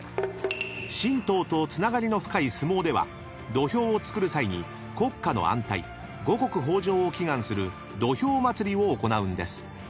［神道とつながりの深い相撲では土俵をつくる際に国家の安泰五穀豊穣を祈願する土俵祭を行うんです］